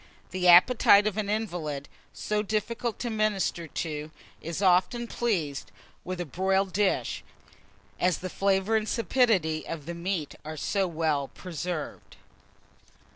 The appetite of an invalid, so difficult to minister to, is often pleased with a broiled dish, as the flavour and sapidity of the meat are so well preserved.